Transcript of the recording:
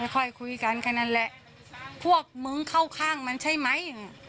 ค่อยคุยกันแค่นั้นแหละพวกมึงเข้าข้างมันใช่ไหม